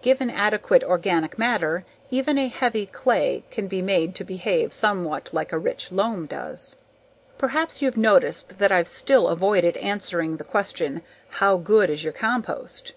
Given adequate organic matter, even a heavy clay can be made to behave somewhat like a rich loam does. Perhaps you've noticed that I've still avoided answering the question, "how good is your compost?"